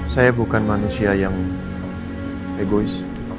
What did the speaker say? saya bukan manusia yang egois